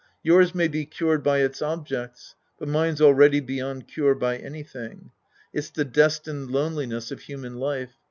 Yours may be cured by its objects, but mine's already beyond cure by anything. It's the destined loneli ness of human life.